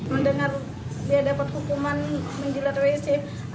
mendengar dia dapat hukuman menjilat wc